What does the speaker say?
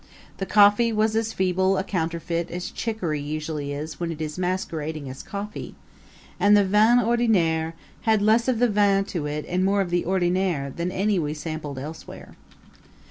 The coffee was as feeble a counterfeit as chicory usually is when it is masquerading as coffee, and the vin ordinaire had less of the vin to it and more of the ordinaire than any we sampled elsewhere.